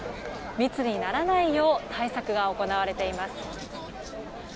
密にならないよう対策が行われています。